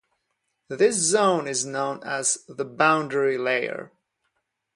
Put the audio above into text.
This zone is known as the 'boundary layer'.